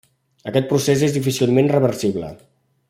Aquest procés és difícilment reversible.